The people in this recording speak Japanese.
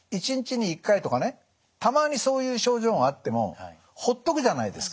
たまにそういう症状があってもほっとくじゃないですか。